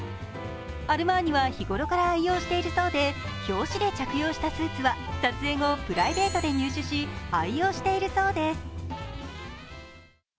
アルマーニは日ごろから愛用しているそうで表紙で着用したスーツは撮影後、プライベートで入手し愛用しているそうです。